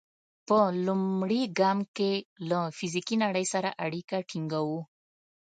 په لومړي ګام کې له فزیکي نړۍ سره اړیکه ټینګوو.